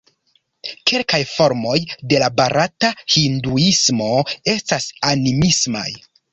Kelkaj formoj de la barata Hinduismo estas animismaj.